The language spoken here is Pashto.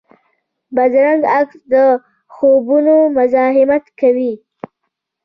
بدرنګه عکس د خوبونو مزاحمت کوي